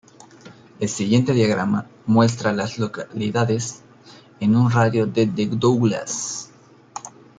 El siguiente diagrama muestra a las localidades en un radio de de Douglas.